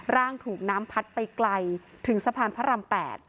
ร่างถูกน้ำพัดไปไกลถึงสะพานพระราม๘